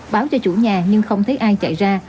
báo cho chủ nhà nhưng không thấy ai chạy ra